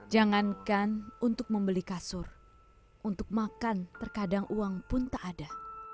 jangankan untuk membeli kasur untuk makan terkadang uang pun tak ada